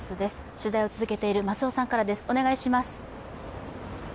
取材を続けている増尾さんからです。